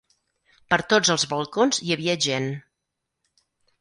Per tots els balcons hi havia gent